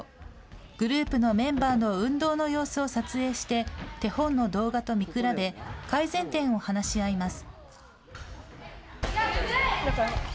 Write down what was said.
グループのメンバーの運動の様子を撮影して、手本の動画と見比べ、改善点を話し合います。